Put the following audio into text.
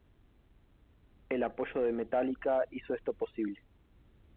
El apoyo de Metallica hizo esto posible.